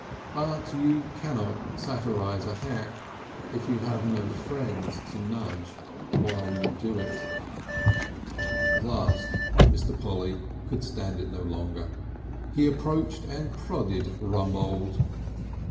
But you cannot satirise a hack, if you have no friend to nudge while you do it. At last Mr. Polly could stand it no longer. He approached and prodded Rumbold.